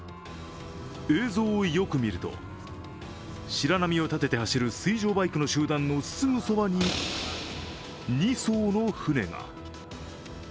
映像をよく見ると、白波を立てて走る水上バイクの集団のすぐそばに２隻の船が。